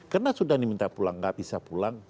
karena sudah diminta pulang tidak bisa pulang